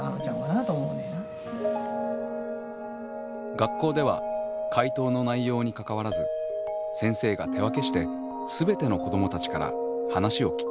学校では回答の内容にかかわらず先生が手分けして全ての子どもたちから話を聞きます。